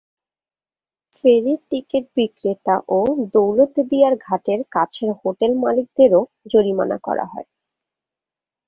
ফেরির টিকিট বিক্রেতা ও দৌলতদিয়ার ঘাটের কাছের হোটেল মালিকদেরও জরিমানা করা হয়।